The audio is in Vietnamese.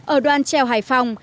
ở đoàn treo hải phòng